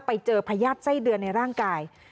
ไปเจอพยาดไส้เดือนในร่างกาย